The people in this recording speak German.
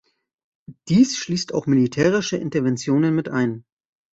Dies schließt auch militärische Interventionen mit ein.